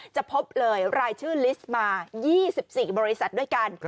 จะพบเลยรายชื่อลิสต์มา๒๔บริษัทด้วยกัน